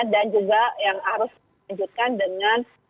dan juga yang harus dilanjutkan dengan